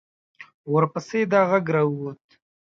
ورپسې دا غږ را ووت.